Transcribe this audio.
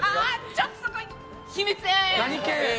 ちょっと、そこは秘密で。